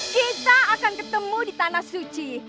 kita akan ketemu di tanah suci